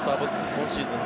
今シーズン